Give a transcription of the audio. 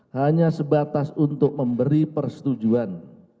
hanya sebatas untuk memberi persetujuan